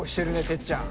てっちゃん